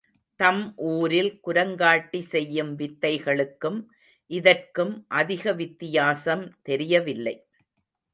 தம் ஊரில் குரங்காட்டி செய்யும் வித்தைகளுக்கும் இதற்கும் அதிக வித்தியாசம் தெரியவில்லை.